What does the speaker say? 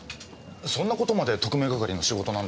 そんなことまで特命係の仕事なんですか？